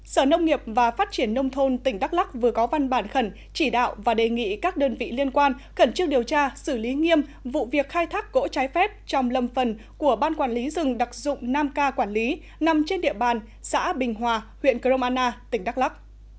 sở nông nghiệp và phát triển nông thôn tỉnh đắk lắc vừa có văn bản khẩn chỉ đạo và đề nghị các đơn vị liên quan khẩn trương điều tra xử lý nghiêm vụ việc khai thác gỗ trái phép trong lâm phần của ban quản lý rừng đặc dụng nam ca quản lý nằm trên địa bàn xã bình hòa huyện crom anna tỉnh đắk lắc